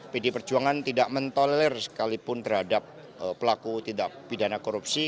pdi perjuangan tidak mentoler sekalipun terhadap pelaku tindak pidana korupsi